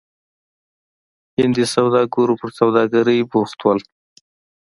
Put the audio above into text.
هندي سوداګرو پر سوداګرۍ بوخت وو.